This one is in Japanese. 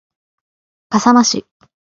笠間市